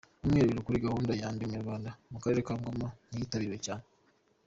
Umwihero kuri gahunda ya "Ndi Umunyarwanda" mu karere ka Ngoma yitabiriwe cyane.